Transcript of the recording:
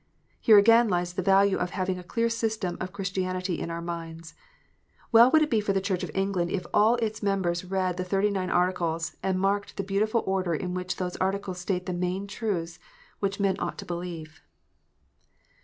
Here again lies the value of having a clear system of Christianity in our minds. Well would it be for the Church of England if all its members read the Thirty nine Articles, and marked the beautiful order in which those Articles state the main truths which men ought to believe.